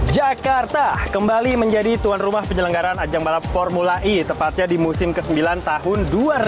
jakarta kembali menjadi tuan rumah penyelenggaran ajang balap formula e tepatnya di musim ke sembilan tahun dua ribu dua puluh